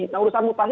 nah urusan mutasi